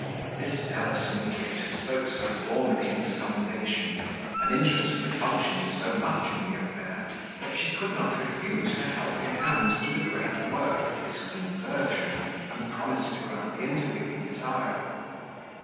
This zealous mediator spoke so warmly in his commendation, and interested her conscience so much in the affair, that she could not refuse her helping hand to the great work of his conversion, and promised to grant the interview he desired.